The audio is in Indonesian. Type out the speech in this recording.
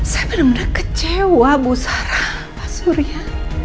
saya benar benar kecewa bu sarah pak surya